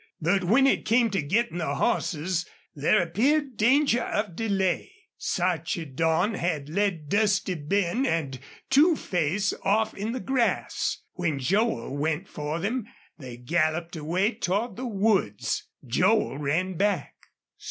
But when it came to getting the horses there appeared danger of delay. Sarchedon had led Dusty Ben and Two Face off in the grass. When Joel went for them they galloped away toward the woods. Joel ran back.